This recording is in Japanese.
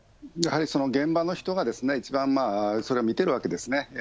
やはりその現場の人が一番それを見てるわけですね。